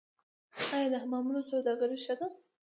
آیا د حمامونو سوداګري ښه ده؟